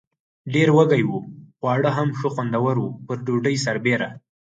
ډېر وږي و، خواړه هم ښه خوندور و، پر ډوډۍ سربېره.